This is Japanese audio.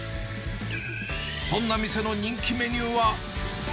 そんな店の人気メニューは。